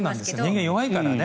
人間弱いからね。